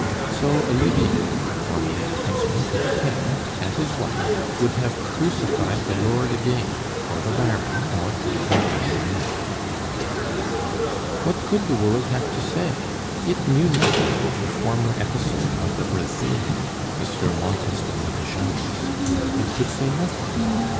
So Olivier, formerly a huntsman to the King, and his wife would have crucified the Lord again for the Baron or for Madame Marneffe. What could the world have to say? It knew nothing of the former episode of the Brazilian, Monsieur Montes de Montejanos it could say nothing.